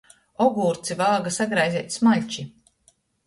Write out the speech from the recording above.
Ogūrci vāga sagraizeit smaļči.